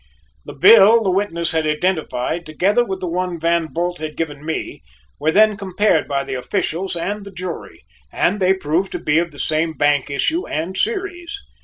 The bill the witness had identified, together with the one Van Bult had given me, were then compared by the officials and the jury, and they proved to be of the same bank issue and series.